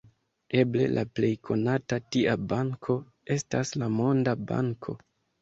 Eble la plej konata tia banko estas la Monda Banko.